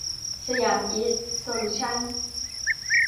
สยามอีสต์ โซลูชั่น